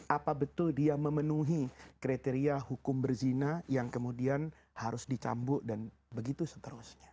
apa betul dia memenuhi kriteria hukum berzina yang kemudian harus dicambuk dan begitu seterusnya